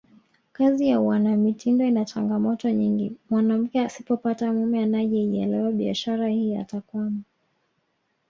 Kazi ya uanamitindo ina changamoto nyingi mwanamke asipopata mume anayeielewa biashara hii atakwama